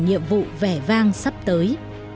nhiệm vụ vẻ vang sắp tới